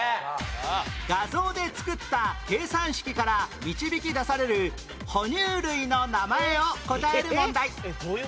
画像で作った計算式から導き出されるほ乳類の名前を答える問題